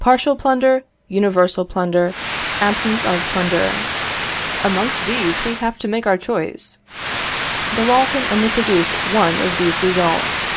Partial plunder, universal plunder, absence of plunder, amongst these we have to make our choice. The law can only produce one of these results.